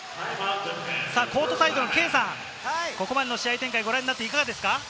コートサイドの圭さん、ここまでの試合展開いかがですか？